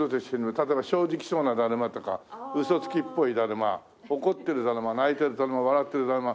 例えば正直そうなだるまとかウソつきっぽいだるま怒ってるだるま泣いてるだるま笑ってるだるま。